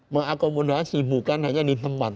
mengakomodasi bukan hanya di tempat